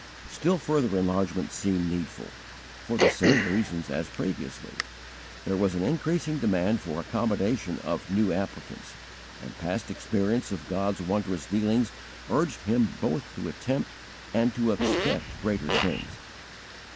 Still further enlargement seemed needful, for the same reasons as previously. There was an increasing demand for accommodation of new applicants, and past experience of God's wondrous dealings urged him both to attempt and to expect greater things.